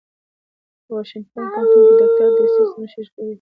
په واشنګټن پوهنتون کې ډاکټر ډسیس مشري کوي.